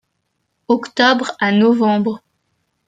Octobre à novembre.